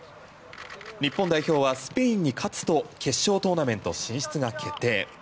日本代表はスペインに勝つと決勝トーナメント進出が決定。